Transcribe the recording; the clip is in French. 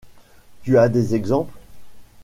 Tu as des exemples ?